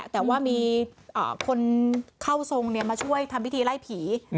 แต่ว่ามีคนเข้าทรงมาช่วยทำพิธีไล่ผี